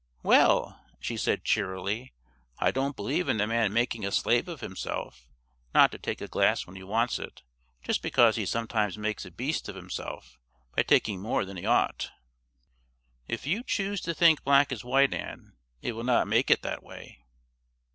"Well," she said cheerily, "I don't believe in a man making a slave of himself, not to take a glass when he wants it just because he sometimes makes a beast of himself by taking more than he ought." "If you choose to think black is white, Ann, it will not make it that way."